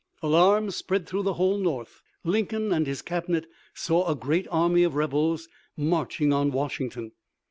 Alarm spread through the whole North. Lincoln and his Cabinet saw a great army of rebels marching on Washington.